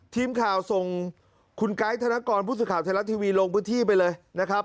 ทีมข่าวส่งคุณไกด์ธนกรผู้สื่อข่าวไทยรัฐทีวีลงพื้นที่ไปเลยนะครับ